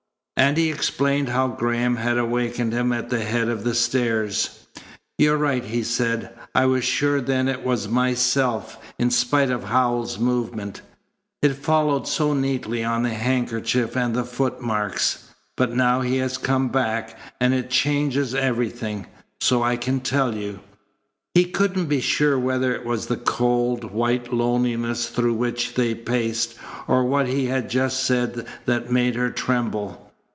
And he explained how Graham had awakened him at the head of the stairs. "You're right," he said. "I was sure then it was myself, in spite of Howells's movement. It followed so neatly on the handkerchief and the footmarks. But now he has come back, and it changes everything. So I can tell you." He couldn't be sure whether it was the cold, white loneliness through which they paced, or what he had just said that made her tremble.